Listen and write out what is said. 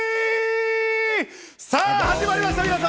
さぁ、始まりました、皆様。